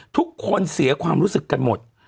ทุกคนเสียความรู้สึกกันหมด